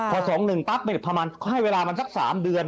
พอ๒เมตรปั๊บไปประมาณเขาให้เวลามันสัก๓เดือน